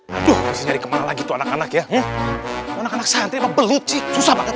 hai tuh nyari kemana lagi tuh anak anak ya anak anak santri peluci susah banget